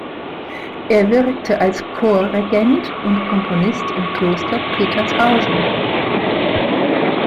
Er wirkte als Chorregent und Komponist im Kloster Petershausen.